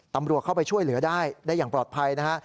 ตำรวจเข้าไปช่วยเหลือได้ได้อย่างปลอดภัยนะฮะ